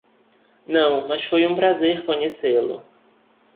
Não, mas foi um prazer conhecê-lo.